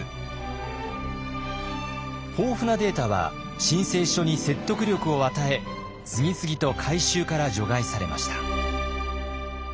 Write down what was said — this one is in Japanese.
豊富なデータは申請書に説得力を与え次々と回収から除外されました。